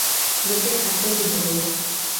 বেঁচে থাকবে কিভাবে?